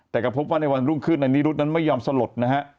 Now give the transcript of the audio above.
แต่ก็พบว่าในวันรุ่งขึ้นในนิรุธนั้นไม่ยอมสลดนะฮะ